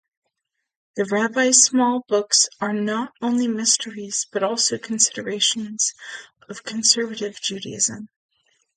The Rabbi Small books are not only mysteries, but also considerations of Conservative Judaism.